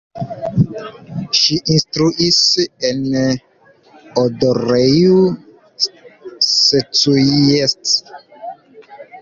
Ŝi instruis en Odorheiu Secuiesc.